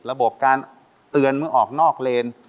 ระบบการเตือนมึงออกนอกเลน